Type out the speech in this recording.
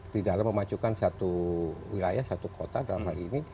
di dalam memajukan satu wilayah satu kota dalam hal ini